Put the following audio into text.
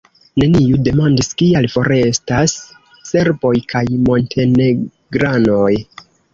Neniu demandis, kial forestas serboj kaj montenegranoj.